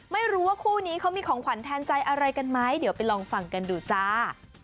ไม่รู้ว่าคู่นี้เขามีของขวัญแทนใจอะไรกันไหมเดี๋ยวไปลองฟังกันดูจ้า